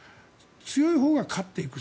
強いほうが勝っていく。